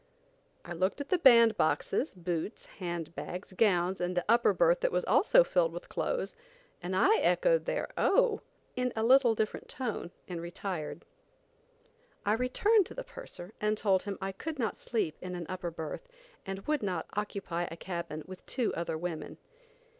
I looked at the band boxes, boots, hand bags, gowns and the upper berth that was also filled with clothes, and I echoed their "Oh!" in a little different tone and retired. I returned to the purser and told him I could not sleep in an upper berth, and would not occupy a cabin with two other women.